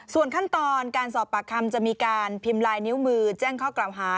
ส่วนขั้นตอนการสอบปากคำจะมีการพิมพ์ลายนิ้วมือแจ้งข้อกล่าวหา